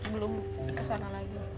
belum kesana lagi